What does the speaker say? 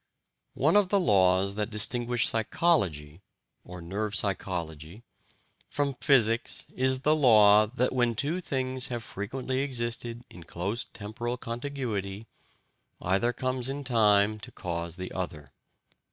One of the laws which distinguish psychology (or nerve physiology?) from physics is the law that, when two things have frequently existed in close temporal contiguity, either comes in time to cause the other.